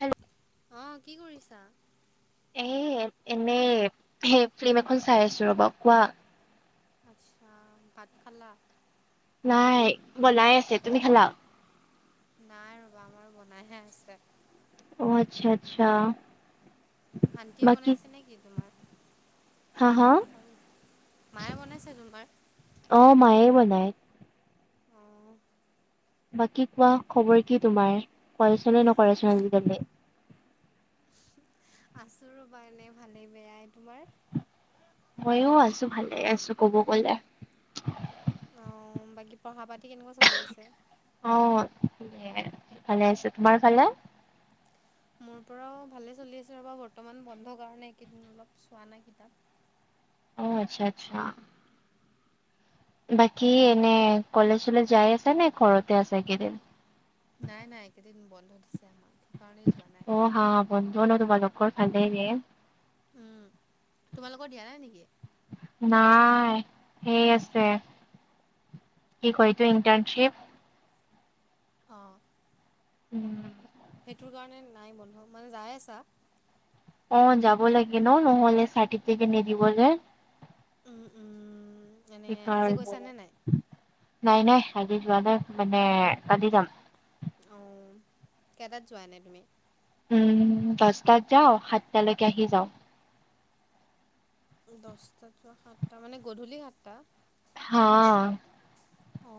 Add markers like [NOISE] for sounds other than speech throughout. Hello অ কি কৰিছা? এ এনেই সেই ফিল্ম এখন চাই আছো ৰ'বা। কোৱা? আচ্ছা। ভাত খালা? নাই বনাই আছে। তুমি খালা? নাই ৰবা আমাৰ বনাইহে আছে। অ আত্চ্ছা আত্চ্ছা। আণ্টিয়ে বনাইছে নে কি তোমাৰ? হা হা। মায়ে বনাইছে তোমাৰ? অ মায়ে বনায়। অ। বাকী কোৱা খবৰ কি তোমাৰ? ফোনচনে নকৰাছোন আজিকালি। আছোঁ ৰ'বা এনে ভালেই বেয়াই। তোমাৰ? ময়ো আছো ভালে আছো ক'ব গলে। অ বাকী পঢ়া পাতি কেনেকুৱা চলি আছে? অ ভালে আছে। তোমাৰ ফালে? মোৰ পৰাও ভালে চলি আছে ৰবা বৰ্তমান বন্ধ কাৰণে এইকেইদিন অলপ চোৱা নাই কিতাপ। অ আত্চ্ছা আত্চ্ছা। বাকী এনে কলেজ ছলেজ যাই আছে নে ঘৰতে আছে এইকেদিন দিন। নাই নাই কেইদিন বন্ধ দিছে আমাক সেকাৰণে যোৱা নাই। অ হা বন্ধন তোমালোকৰ ভালে ৰে। উম, তোমালোকৰ দিয়া নাই নেকি? নাই সেই আছে কি কয়তো ইণ্টাৰ্ণশ্বিপ। অ। [UNINTELLIGIBLE] টোৰ কাৰণে নাই বন্ধ মানে যাই আছা। অ যাব লাগে ন নহ'লে চাৰ্টিফিকেট নিদিব যে। উম উম। এনে আজি সেইকাৰণে গৈছা নে নাই? নাই নাই আজি যোৱা নাই মানে কালি যাম। অ কেইটাত যোৱা এনে তুমি? উম দছটাত যাঁও সাতটালৈকে আহি যাঁও। দহটা সাতটা মানে গধূলি সাতটা। হা। অ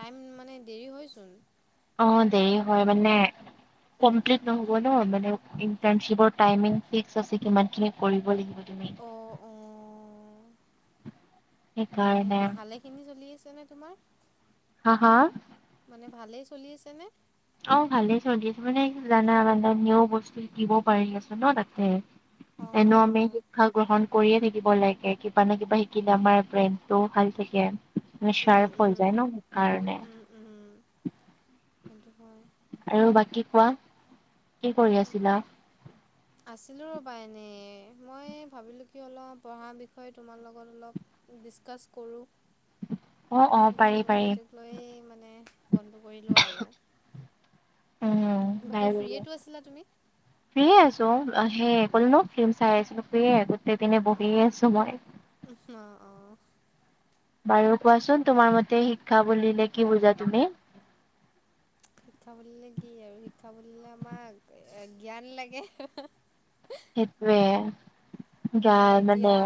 টাইম মানে দেৰি হয়চোন। অ দেৰি হয় মানে। কমপ্লিট নহব ন মানে ইন্টাৰ্ণশ্বিপৰ টাইমিঙ ফিক্স আছে কিমান খিনি কৰিব লাগিব। পদমিক। অ অ। মানে সেইকাৰণে ভালেখিনি চলি আছেনে তোমাৰ? হা হা। মানে ভালেই চলি আছেনে? অ ভালে চলি আছে মানে জানা মানা নিউ বস্তু শিকিব পাৰি আছো ন তাতে। অ। ন মে শিক্ষা গ্ৰহণ কৰিয়ে থাকিব লাগে কিবা ন কিবা শিকিলে আমাৰ ব্ৰেইন টোও ভাল থাকে। উম নিস্বাৱ হৈ যায় ন কাৰণে। উম উম উম। সেটো হয় আৰু বাকী কোৱা কি কৰি আছিলা। আছিলোঁ ৰ'বা এনেই মই ভাবিলোঁ কি অলপ পঢ়াৰ বিষয়ে তোমাৰ লগত অলপ। ডিছকাছ কৰো। অ অ সেইটো পাৰি পাৰি সেইটোক লৈ মানে ফোনটো কৰিলো আৰু। উম। বাকী বাৰু ফ্ৰীয়েটো আছিলা তুমি? ফ্ৰিয়ে আছো অ সেই কলো ন ফিল্ম চাই আছিলো ফ্ৰিয়ে গোটেই দিনে বহিয়ে আছো মই। উহ অ অ। বাৰু কোৱাচোন তোমাৰ মতে শিক্ষা বুলিলে কি বুজা তুমি। শিক্ষা বুলিলে কি আৰু শিক্ষা বুলিলে আমাক এ জ্ঞান লাগে। সেইটোৱে। তোমাৰ গান মানে এতিয়া।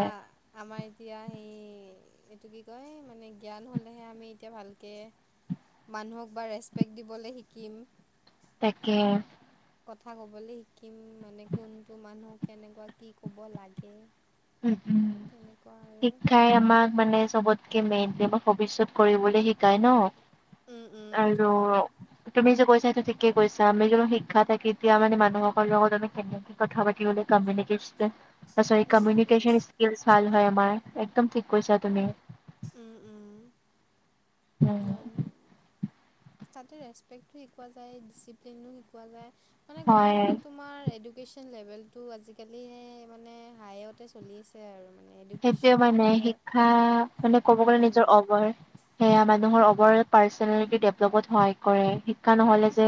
আমাৰ এতিয়া সেই এইটো কি কয় মানে জ্ঞান হ'লেহে আমি এতিয়া ভালকে। মানুহক বা ৰেচপেক্ট দিবলে শিকিম। তাকে। কথা ক'বলে শিকিম মানে কোনটো মানুহ কেনেকুৱা কি ক'ব লাগে। উম উম তেনেকুৱা আৰু শিক্ষায়ে আমাক মানে চবত কেমেন কে ভৱিষ্যত কৰিবলে শিকাই ন উম উম সেইটো আৰু হয় তুমি যে কৈছা সেটো ঠিকে কৈছা আমি যোনো শিক্ষা থাকি এতিয়া মানে মানু-হকলৰ লগত আমি কেনেকে কথা পাতি হলে কামিনিকেচন অ চৰি উম কামিনি উম ভাল হয় আমাৰ একদম ঠিক কৈছা তুমি। উম উম। ন উম নাই তাতে ৰেচপেক্টো শিকোৱা যায় ডিচিপ্লিনো শিকোৱা যায়। মানে ক'ব হয় গ'লে তোমাৰ এডুকেশ্যন লেভেলটো আজিকালিহে মানে হাইত তে চলি আছে আৰু মানে সেইটোৱে এডুকেশ্যন মানে নহ'লে শিক্ষা মানে একো ক'ব গ'লে নাই নিজৰ মানে অভাৰ সেয়া মানুহৰ অভাৰল পাৰ্চনেলিটি ডেভলপত সহায় কৰে শিক্ষা নহলে যে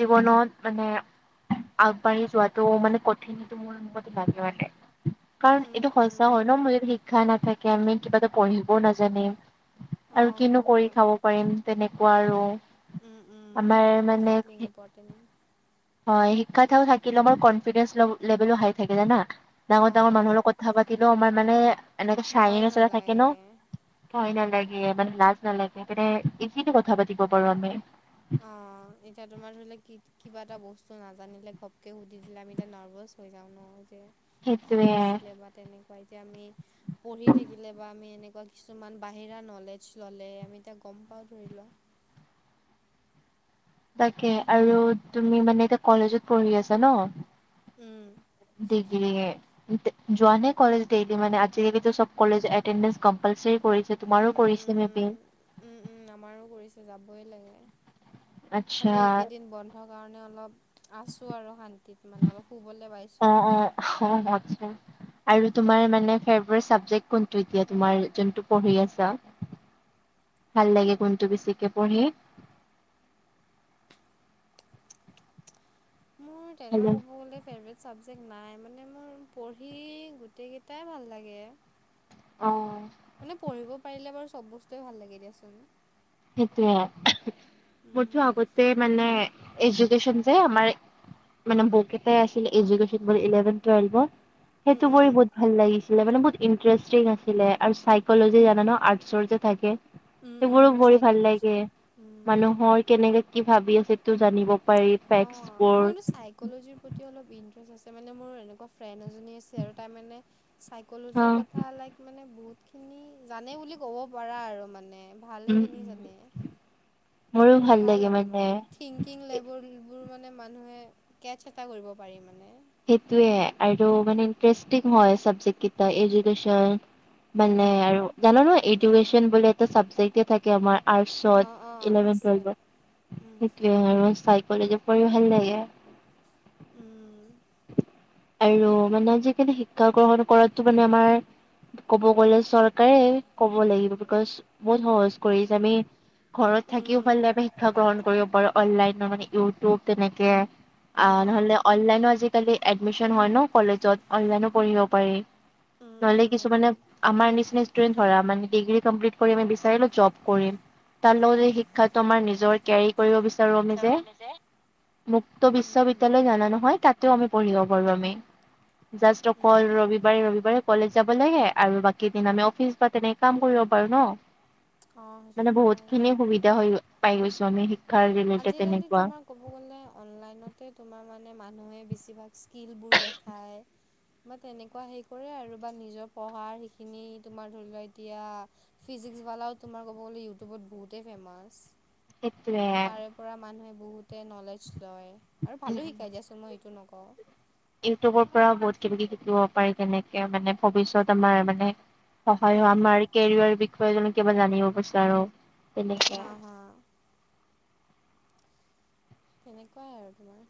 জীৱনত মানে আগবাঢ়ি যোৱাটোও মানে কঠিন মোৰ অংকটো বাদ যোৱা নাই কাৰণ উম এইটো হলচ উম ত হয় সেইটো ন মোৰ যদি শিক্ষা নাথাকে আমি কিবা এটা পঢ়িব নাজানিম। আৰু অঁ কিনো সেইটো কৰি হয় খাব পাৰিম তেনেকুৱা আৰু আমাৰ মানে কি- তেন। হয় শিক্ষা ঠাও থাকিলে বাও কনফিডেন্স লে লেভেলো হাই থাকে জানা ডাঙৰ অঁ ডাঙৰ অঁ মানুহৰ লগত কথা পাতিলেও আমাৰ মানে এনেকে ভয় চাইনেছ এটা থাকে ন। নালাগে ভয় নালাগে মানে লাজ নালাগে মানে ইজিকে কথা পাতিব পাৰো আমি। অ এতিয়া তোমাৰ ধৰিলোৱা কি কিবা এটা বস্তু নাজানিলে ঘপকে সুধি দিলে আমি এতিয়া নাৰ্ভাচ। হৈ যাওঁ ন যে সেইটোয়ে কি আছিলে বা তেনেকুৱা এতিয়া আমি। পঢ়ি থাকিলে বা আমি এনেকুৱা কিছুমান বাহিৰা নলেজ ল'লে আমি এতিয়া গম পাওঁ ধৰি লোৱা। তাকে আৰু তুমি মানে এতিয়া কলেজত পঢ়ি আছা ন উম। ডিগ্ৰী এ যোৱা নে কলেজ ডেইলি মানে আজিকালিতো চব কলেজ এটেন্ডেন্ট কম্পালচাৰী কৰিছে তোমাৰো উম, কৰিছে উম, [UNINTELLIGIBLE] উম, উম আমাৰো কৰিছে যাবই লাগে খালি আচ্ছা এইকেইদিন বন্ধৰ কাৰণে অলপ আছোঁ আৰু শান্তিত মানে অলপ শুবলে পাইছোঁ অঁ আৰু তোমাৰ মানে ফেবেৰেত চাবজেক্ট কোনতো এতিয়া তোমাৰ যোনটো পঢ়ি আছা ভাল লাগে কোনটো বেছিকে পঢ়ি হেল্ল' তেঙেৰাও বুঅদিছ ফেভৰেট ছাবজেক্ট নাই মানে মোৰ পঢ়ি, গোটেইকেইটাই ভাল লাগে। অ', মানে পঢ়িব পাৰিলে বাৰু চব বস্তুৱয়ে ভাল লাগে দিয়াচোন। সেইটোৱে, উম, মোৰতো আগতে মানে, এজুকেশচন যে আমাৰ মানে বুক এটা ৰাখিলে এডুকেচন এলেভেন টুৱেইনৰ সেই উম, টো উম, কৰি ভাল লাগিছিলে মানে বহুত ইণ্টাৰেষ্টিং আছিলে আৰু চাইকলজিৰ জানা নে আৰ্টচৰ যে থাকে উম, উম, সেইবোৰো পঢ়ি ভাল চাইক'ল'জি লাগে উম। মানুহৰ কেনেকে কি ভাবি সেটো জানিব পাৰি অঃ ফেক্টচবোৰ। মোৰ এনেও চাইকলজিৰ প্ৰতি অলপ ইণ্টাৰেষ্ট আছে মানে মোৰ এনেকুৱা ফ্ৰেণ্ড এজনী আ [UNINTELLIGIBLE] তাৰমানে চাইক'ল'জিৰ অ', কথা লাইক মানে বহুতখিনি, জানে বুলি ক'ব পাৰা আৰু মানে উম, ভালেইখিনি উম, জানে। মানে ভাল আৰু মানে। থিংকিং লেবলবোৰ মানে মানুহে, কেচ এটা কৰিব পাৰি মানে। সেইটোৱে, আৰু মানে [UNINTELLIGIBLE] হয় চাবজেক্ট কেইটা এডাকেশ্যন। মানে উম, আৰু, জানো ন' এডুকেচন বুলি এটা চাবজেক্টয়ে থাকে আমাৰ। আৰ্টচত, অ', অ', ইলেভেন আছে টুৱেলভত, উম, সেইটোৱে [UNINTELLIGIBLE] চাইক'লজি পঢ়ি ভাল লাগে। উম, আৰু, মানে আজিকালি শিক্ষা গ্ৰহণ কৰাটো মানে আমাৰ ক'ব গ'লে চৰকাৰে, ক'ব লাগিব, বিকজ বহুত সহজ কৰিছে আমি ঘৰত উম, থাকিও ভালে ভাৱে শিক্ষা গ্ৰহণ কৰিব পাৰো, অনলাইন মানে ইউটিউব তেনেকে। আহ, অ'। নহলে অনলাইনো আজিকালি এডমিশন হয় ন' কলেজত অনলাইন পঢ়িব পাৰি। উম নহ'লে উম কিছুমানে একদম। আমাৰ নিচিনা ষ্টুডেন্ট ধৰা মানে ডিগ্ৰী কমপ্লিট কৰি আমি বিচাৰিলো জব কৰিম। তাৰ লগত যে শিক্ষাটো আমাৰ নিজৰ কে কৰিব বিচাৰো আমি যে, মুক্ত উম উম বিশ্ববিদ্যালয় জানা নহয়? তাতেও আমি পঢ়িব পাৰো আমি, জাষ্ট উম অকল উম ৰবিবাৰে ৰবিবাৰে। কলেজ যাব লাগে আৰু বাকিদিন আমি অফিচ বা তেনেকে কাম কৰিব পাৰো ন'? অ সেইটো মানে বহুত হয়। খিনি সুবিধা হৈ পাই গৈছো আমি। শিক্ষাৰ ৰিলেটেড আজিকালি তেনেকুৱা তোমাক ক'ব গ'লে অনলাইনতে তোমাৰ মানে মানুহে বেছিভাগ স্কিলবোৰ দেখায়। বা তেনেকুৱা হেৰি কৰে আৰু বা নিজৰ পঢ়াৰ সেইখিনি তোমাৰ ধৰি লোৱা এতিয়া ফিজিক্স বালাও তোমাৰ ক'ব গ'লে ইউটিউবত বহুতেই ফেমাচ। সেইটোৱেই। পৰা মানুহে বহুতে নলেজ লয়, আৰু উম ভালো উম। শিকাই দিয়াচোন মই এইটো নকওঁ। ইউটিউবৰ পৰাও বহুত কিবা কিবি শিকিব পাৰি তেনেকে মানে ভৱিষ্যত আমাৰ মানে সহায় হয় উম আমাৰ কেৰিয়ৰ বিষয়ে জনে কিবা জানিব বিচাৰো। তেনেকে হাঁ, হা, তেনেকুৱা আৰু তোমাৰ।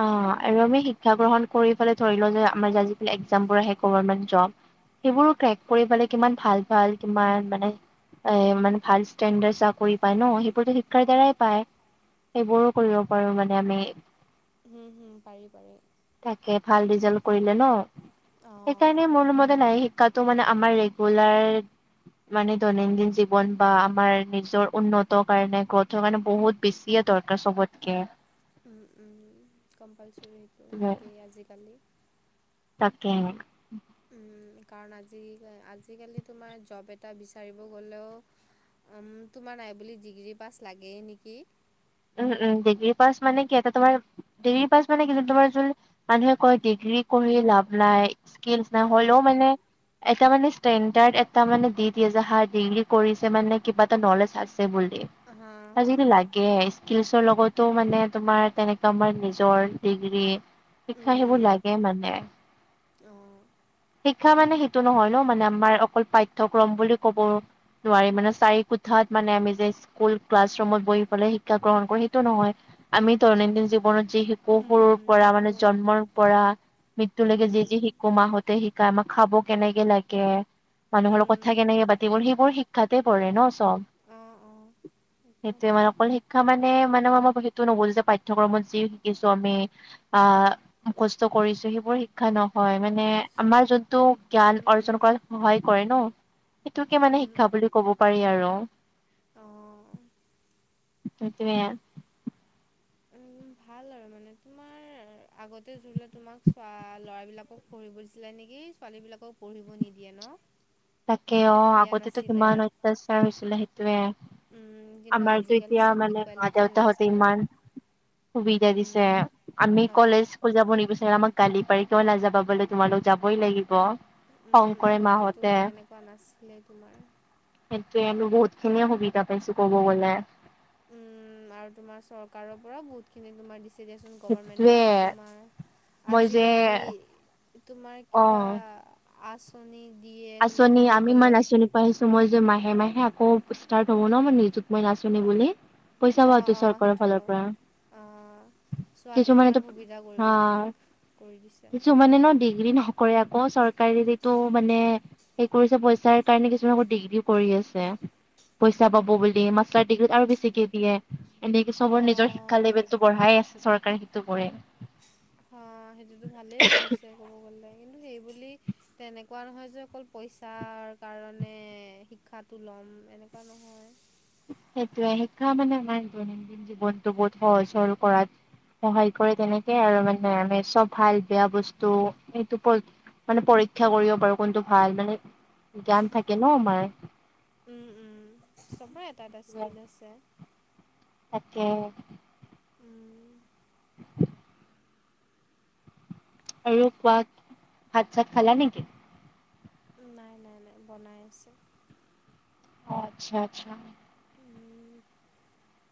অ', আৰু আমি শিক্ষা গ্ৰহণ কৰি ধৰি লোৱা যে আমাৰ যে আজিকালি একজামবোৰ আহে গভমেট জব। সেইবোৰো ক্ৰেক কৰি পালে কিমান ভাল ভাল কিমান মানে এ মানে ভাল ষ্টেণ্ডাৰ চাকৰি পায় ন' সেইবোৰতো শিক্ষাৰ দ্বাৰাই পায়। সেইবোৰো কৰিব পাৰোঁ মানে আমি। হুম, হুম পাৰি পাৰি। তাকে ভাল ৰিজাল্ট কৰিলে ন', অ। সেইকাৰণে মোৰমতে নাই কাটো মানে আমাৰ ৰেগুলাৰ মানে দৈনন্দিন জীৱন বা আমাৰ নিজৰ উন্নত কাৰণে [UNINTELLIGIBLE] কাৰণে বহুত বেছিয়ে দৰকাৰ চবতকে। উম, উম কম্পালচৰি সেইটো উম, লাগেই আজিকালি। তাকে। কাৰণ আজি আজিকালি তোমাৰ জব এটা বিচাৰিব গ'লেও তোমাৰ নাই বুলি ডিগ্ৰী পাছ লাগেই নেকি? উম, উম, ডিগ্ৰী পাছ মানে কি তোমাৰ। ডিগ্ৰী পাছ মানে কি তোমাৰ যোন মানুহে কয় ডিগ্ৰী কৰি লাভ নাই, স্কিল নাই হ'লো অঁ মানে। এটা মানে ষ্টেণ্ডাৰ্ড এটা মানে দি দিয়ে যে হা ডিগ্ৰী কৰিছে মানে কিবা এটা নলেজ আছে বুলি। হা হা আজিকালি লাগে স্কিলচৰ লগতো মানে তোমাৰ তেনেকা আমাৰ নিজৰ ডিগ্ৰী শিক্ষা সেইবোৰ লাগ গে মানে। অ', শিক্ষা মানে সেইটো নহয় ন' মানে আমাৰ অকল পাঠয়ক্ৰম বুলি ক'ব। নোৱাৰি মানে চাৰি কোঠাত মানে আমি যে স্কুল ক্লাছ ৰুমত বহি পেলাই শিক্ষা গ্ৰহণ কৰো সেইটো নহয়, আমি দৈনন্দিন জীৱনত যি উম, সৰু উম, পৰা সেইটো মানে জন্মৰ পৰা মৃত্যুলৈকে যিতি উম, শিকো মাহতে শিকাই আমাক খাব কেনেকে লাগে। মানুহৰ লগত উম, কথা কেনেকে পাতিব লাগে সেইবোৰ শিক্ষাতে পৰে ন চব। অ, অ, সেইটোৱে মানে অকল শিক্ষা মানে-মানে সেইটো নব'ল যে পঠ্যক্ৰমত যি শিকিছো আমি। আহ, মুখস্থ কৰিছো সেইবোৰ শিক্ষা নহয় মানে আমাৰ যোনতটো জ্ঞান উম, উম, অৰ্জন কৰা। সহায় কৰে ন' সেইটোকে মানে উম, শিক্ষা বুলি কব পাৰি আৰু। অঁ সেইতোৱে। উম, ভাল আৰু মানে তোমাৰ আগতে ধৰিলোৱা তোমাক চোৱা ল'ৰাবিলাক কো পঢ়িব দিছিলে নেকি ছোৱালীবিলাকক পঢ়িব নিদিয়ে ন। তাকে অ' জ্ঞান আগতেতো আছিলে কিমান অত্যাচাৰ হৈছিলে সেইটোয়ে। উম, কিন্তু আমাৰ তো আজিকালি এতিয়া চব মানে মা ইকুৱেলিটি হৈ দেউতা গৈছে হতে বাৰু ইমান সুবিধা উম, দিছে। আমি অঁ, কলেজ যাব নিবিচাৰে আমাক গালি পাৰি কিয় নাযাবা বোলে তোমালোক যাবই লাগিব, উম, খংকৰে মাহত আগতেতো এনেকুৱা নাছিলে তোমাৰ। সেইয়ে বহুত খিনিয়ে সুবিধা পাইছো ক'ব গ'লে। আৰু তোমাৰ চৰকাৰৰ পৰা বহুতখিনি তোমাৰ দিছে দিয়াচোন সেইটোৱে গভাৰমেণ্টৰ পৰা তোমাৰ। মই যে আজিকালি তোমাৰ অ কিবা আঁচনি দিয়ে তোমাৰ আঁচনি আমি ইমান পঢ়িবলে। আঁচনি পাইছো মই যে মাহে মাহে আকৌ ষ্টাৰ্ট হ'ব ন' মই নিজুত মইনা আছনি বুলি। পইচা অঁ পাওটো অঁ চৰকাৰ সেইটো ফালৰ পৰা। অঁ চোৱাতে কিমান কিছুমানেতো সুবিধা কৰিব হা, কৰি দিছে কিছু মানে ন ডিগ্ৰী নকৰে আকৌ চৰকাৰী যটো মানে, সেই কৰিছে পইচাৰ কাৰণে কিছুমান আ, ডিগ্ৰীও কৰি আছে। পইচা পাব বুলি মাষ্টাৰ ডিগ্ৰীত আৰু বেছিকে দিয়ে। এনেকে চবৰ নিজৰ শিক্ষা অঁ লেভেলটো বঢ়াই আছে চৰকাৰে সেইটো কৰে। অ' সেইটোতো ভালেই কৰিছে ক'ব গ'লে কিন্তু সেইবুলি। তেনেকুৱা নহয় যে অকল পইচাৰ কাৰণে শিক্ষাটো লম এনেকুৱা নহয়। সেইটোয়ে শিক্ষা মানে আমাৰ দৈনন্দিন জীৱনতটো বহুত সহজ-সৰল কৰাত। সহায় কৰে তেনেকে আৰু মানে আমি চব ভাল বেয়া বস্তু এইটো। মানে পৰীক্ষা কৰিব পাৰো কোনটো ভাল মানে জ্ঞান থাকে ন আমাৰ। উম, উম, চবৰে এটা-এটা স্কিল আছে। তাকে। উম, [UNINTELLIGIBLE] আৰু কোৱা ভাত চাত খালা নেকি? নাই-নাই বনাই আছে। অ, আচ্ছা-আচ্ছা। উম,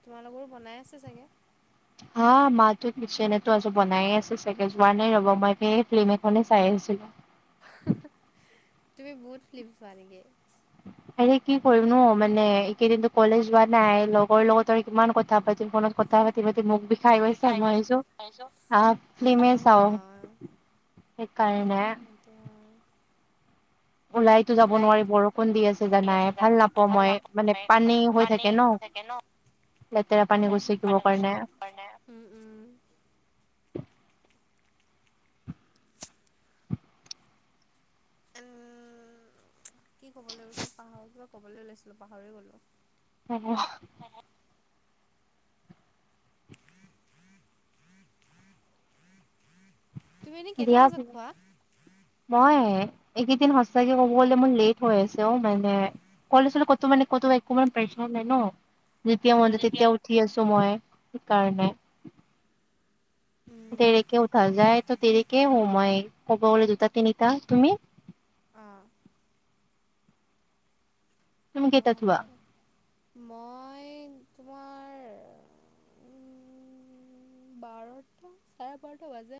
তোমালোকৰো বনাই আছে চাগে। হা মাতো কিচনেতো আছো বনাই আছে চাগে যোৱা নাই ৰ'ব মইেই ফিল্ম এখনে চাই আছিলো। তুমি বহুত ফিলিম ছোৱা নেকি। আৰে কি কৰিম ন' মানে এইকেইদিনো কলেজ যোৱা নাই লগৰ লগত কিমান কথা পাতিম ফনত। কথা পাতি-পাতি মুখ বিষাই গৈছে চাই মই আছো পাইছোঁ। আহ, ফিল্ম অ চাও। সেইকাৰনে। সেইটো হয়। ওলাই। টো যাব লাইট নোৱাৰি বৰষুণ দি আছে জানাই ভাল নাপাওঁ মই মানে পানী হৈ থাকে ন। লেতেৰা পানী গচকিব কাৰণে। হয়নে উম উম। উম কি ক'বলে ওলাইছিলো পাহৰিলো কিবা ক'বলৈ ওলাইছিলো পাহৰি গ'লো। হব তুমি এনেই কেইটা দিয়া। বজাত খোৱা? মই এইকেইদিন সচাকে ক'ব গলে মোৰ লেট হৈ আছে অ মানে। কলেজ কতো মানে কতো একো মানে প্ৰেচাৰ নাই ন। যেতিয়া মন যায় যেতিয়া তেতিয়া উঠি আছো মই সেইকাৰণে। উম, দেৰিকে উঠা যায় ত দেৰিকে শুও মই ক'ব গ'লে দুটা তিনিটা তুমি। অ' তুমি অ কেইটাত হ'ব শুৱা দিয়া। মই তোমাৰ। উ বাৰটা চাৰে বাৰটা বাজে।